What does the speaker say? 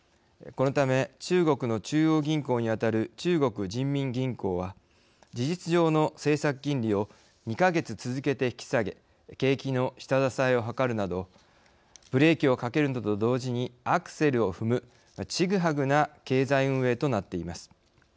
このため中国の中央銀行にあたる中国人民銀行は事実上の政策金利を２か月続けて引き下げ景気の下支えを図るなどブレーキをかけるのと同時にアクセルを踏むちぐはぐな経済運営となっています。